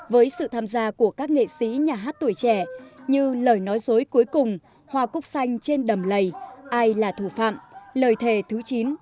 với sự tham gia của các nghệ sĩ nhà hát tuổi trẻ như lời nói dối cuối cùng hoa cúc xanh trên đầm lầy ai là thủ phạm lời thề thứ chín